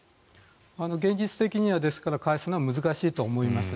現実的には返すのは難しいと思います。